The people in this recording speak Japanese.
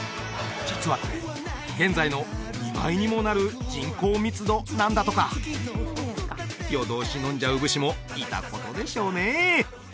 実はこれ現在の２倍にもなる人口密度なんだとか夜通し飲んじゃう武士もいたことでしょうね